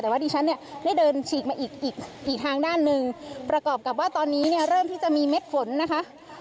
แต่ว่าดิฉันเนี่ยได้เดินฉีกมาอีกอีกทางด้านหนึ่งประกอบกับว่าตอนนี้เนี่ยเริ่มที่จะมีเม็ดฝนนะคะ